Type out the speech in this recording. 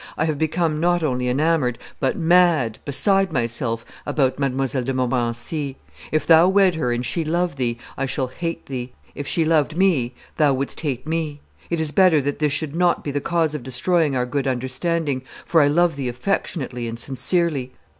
I have become not only enamoured, but mad, beside myself, about Mlle. de Montmorency. If thou wed her and she love thee, I shall hate thee; if she loved me, thou wouldst hate me. It is better that this should not be the cause of destroying our good understanding, for I love thee affectionately and sincerely.